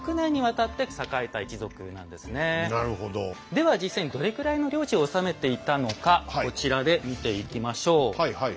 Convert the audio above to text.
では実際にどれくらいの領地を治めていたのかこちらで見ていきましょう。